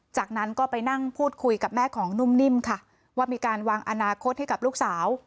จากนั้นก็ไปนั่งพูดคุยกับแม่ของนุ่มนิ่มค่ะว่ามีการวางอนาคตให้กับลูกสาว